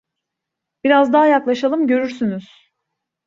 Biraz daha yaklaşalım, görürsünüz!